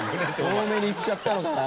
多めにいっちゃったのかな。